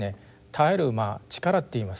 耐える力って言いますか